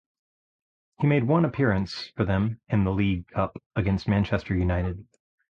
He made one appearance for them, in the League Cup, against Manchester United.